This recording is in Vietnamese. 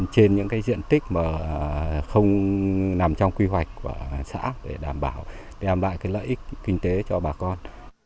trên những diện tích mà không nằm trong quy hoạch của xã để đảm bảo đem lại cái lợi ích kinh tế cho bà con